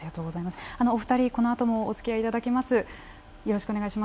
お二人、このあともおつきあいいただきます。